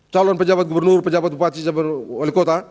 calon pejabat gubernur pejabat bupati dan wali kota